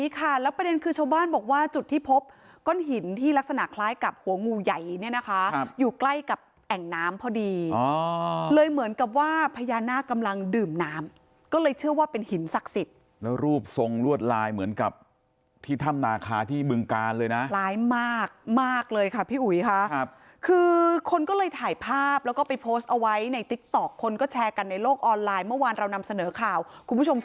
ใกล้กับแอ่งน้ำพอดีเลยเหมือนกับว่าพญานาคกำลังดื่มน้ำก็เลยเชื่อว่าเป็นหินศักดิ์สิทธิ์แล้วรูปทรงลวดลายเหมือนกับที่ทำนาคาที่บึงกานเลยนะล้ายมากมากเลยค่ะพี่อุ๋ยค่ะคือคนก็เลยถ่ายภาพแล้วก็ไปโพสต์เอาไว้ในติ๊กต๊อกคนก็แชร์กันในโลกออนไลน์เมื่อวานเรานำเสนอข่าวคุณ